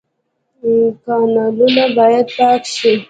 کانالونه باید پاک شي